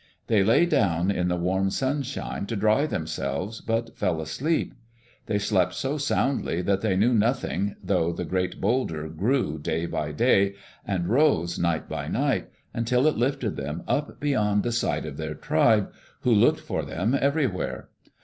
They lay down in the warm sunshine to dry themselves, but fell asleep. They slept so soundly that they knew nothing, though the great boulder grew day by day, and rose night by night, until it lifted them up beyond the sight of their tribe, who looked for them everywhere.